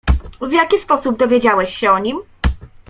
"W jaki sposób dowiedziałeś się o nim?"